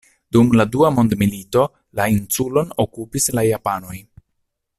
Dum la dua mondmilito, la insulon okupis la japanoj.